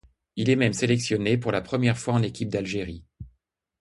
Il est même sélectionné pour la première fois en équipe d'Algérie.